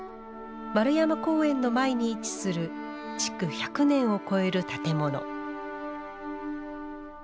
円山公園の前に位置する築１００年を超える建物